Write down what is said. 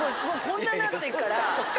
もうこんななってっから。